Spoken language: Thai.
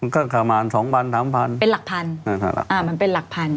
ก็ประมาณสองพันสามพันเป็นหลักพันอ่ามันเป็นหลักพัน